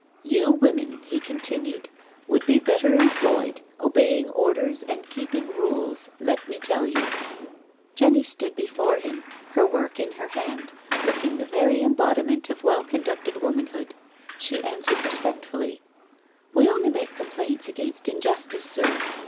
" You women," he continued, " would be better employed obeying orders and keeping rules, let me tell you." 264 . NO SURRENDER Jenny stood before him, her work in hand, looking the very embodiment of well conducted womanhood • She answered respectfully: " We only make complaints against injustice, sir.